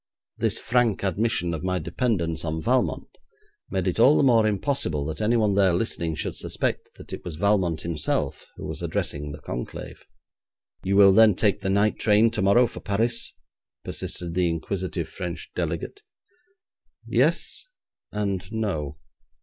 This frank admission of my dependence on Valmont made it all the more impossible that anyone there listening should suspect that it was Valmont himself who was addressing the conclave. 'You will then take the night train tomorrow for Paris?' persisted the inquisitive French delegate. 'Yes, and no.